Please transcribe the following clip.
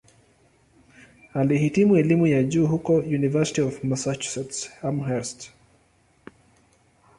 Alihitimu elimu ya juu huko "University of Massachusetts-Amherst".